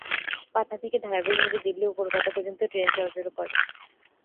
পাটনা থেকে ধারাবাহিক ভাবে দিল্লি ও কলকাতা পর্যন্ত ট্রেন চলাচল করে।